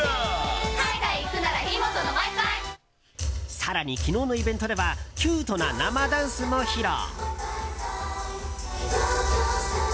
更に、昨日のイベントではキュートな生ダンスも披露。